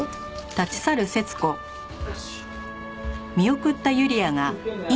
よし。